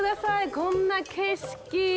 こんな景色。